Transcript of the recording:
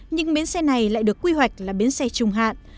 nhưng bến xe này lại được quy hoạch là bến xe trùng hạn